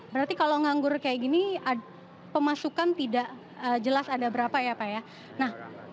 berarti kalau nganggur kayak gini pemasukan tidak jelas ada berapa ya pak ya